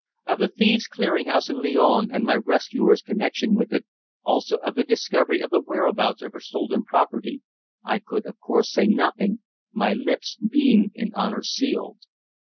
Of the thieves' clearing house in Lyons and my rescuer's connection with it, also of the discovery of the whereabouts of her stolen property, I could of course say nothing, my lips being in honour sealed.